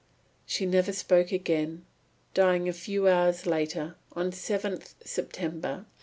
'" She never spoke again, dying a few hours later, on 7th September 1833.